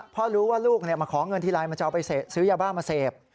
เพราะรู้ว่าลูกมาขอเงินทีไรมันจะเอาไปซื้อยาบ้ามาเสพ